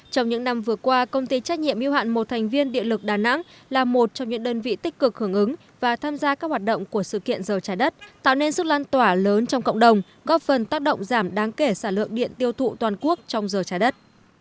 trong những năm vừa qua công ty trách nhiệm yêu hạn một thành viên điện lực đà nẵng là một trong những đơn vị tích cực hưởng ứng và tham gia các hoạt động của sự kiện giờ trái đất tạo nên sức lan tỏa lớn trong cộng đồng góp phần tác động giảm đáng kể sản lượng điện tiêu thụ toàn quốc trong giờ trái đất